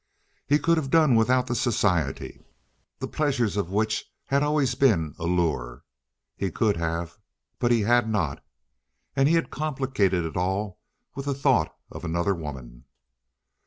He could have done without the society, the pleasures of which had always been a lure. He could have, but he had not, and he had complicated it all with the thought of another woman.